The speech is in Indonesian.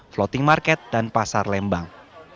floating market dan pasar lembang